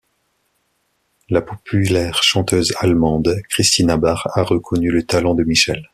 La populaire chanteuse allemande Kristina Bach a reconnu le talent de Michelle.